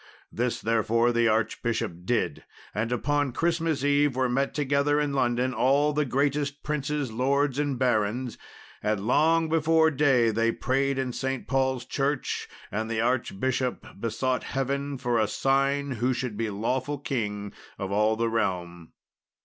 This, therefore, the archbishop did, and upon Christmas Eve were met together in London all the greatest princes, lords, and barons; and long before day they prayed in St. Paul's Church, and the archbishop besought Heaven for a sign who should be lawful king of all the realm.